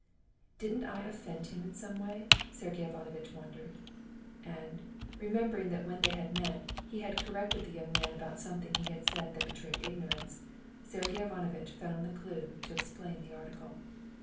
"Didn't I offend him in some way?" Sergey Ivanovitch wondered. And remembering that when they met he had corrected the young man about something he had said that betrayed ignorance, Sergey Ivanovitch found the clue to explain the article.